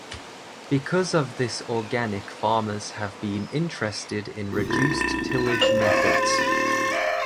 Because of this organic farmers have been interested in reduced-tillage methods.